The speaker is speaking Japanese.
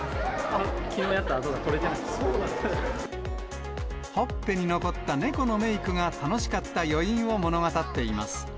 きのうやった跡が、まだ取れほっぺに残った猫のメークが、楽しかった余韻を物語っています。